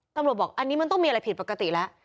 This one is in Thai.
บอกอันนี้มันต้องมีอะไรผิดปกติแล้ว